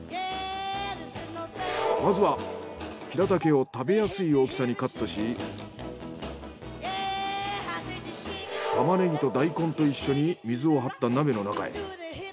まずはヒラタケを食べやすい大きさにカットしタマネギとダイコンと一緒に水を張った鍋の中へ。